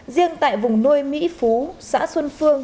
riêng tại vùng nuôi mỹ phú xã xuân phương